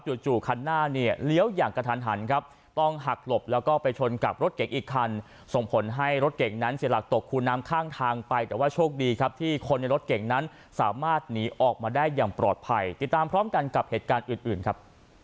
จู่คันหน้าเนี่ยเลี้ยวอย่างกระทันหันครับต้องหักหลบแล้วก็ไปชนกับรถเก่งอีกคันส่งผลให้รถเก่งนั้นเสียหลักตกคูน้ำข้างทางไปแต่ว่าโชคดีครับที่คนในรถเก่งนั้นสามารถหนีออกมาได้อย่างปลอดภัยติดตามพร้อมกันกับเหตุการณ์อื่นอื่นครับ